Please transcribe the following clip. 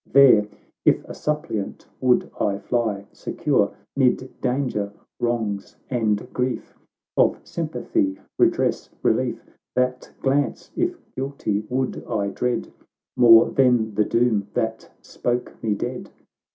There, if a suppliant, would I fly, Secure, 'mid danger, wrongs, and grief, Of sympathy, redress, relief — That glance, if guilty, would I dread More than the doom that spoke me dead